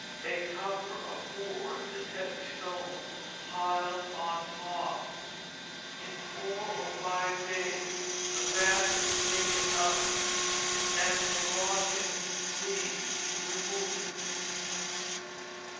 A cover of boards and heavy stones was piled on top. In four or five days the bates were taken up and the rotted leaves removed.